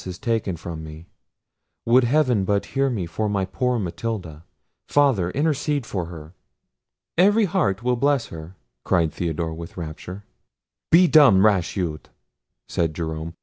is taken from me! would heaven but hear me for my poor Matilda! Father! intercede for her!" "Every heart will bless her," cried Theodore with rapture. "Be dumb, rash youth!" said Jerome.